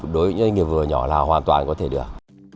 đối với doanh nghiệp vừa nhỏ là hoàn toàn có thể được